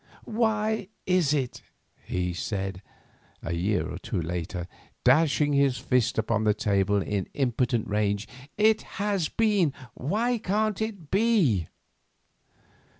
"Why is it?" he said, a year or two later, dashing his fist upon the table in impotent rage. "It has been; why can't it be?"